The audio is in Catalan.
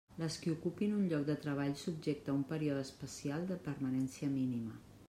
Les qui ocupin un lloc de treball subjecte a un període especial de permanència mínima.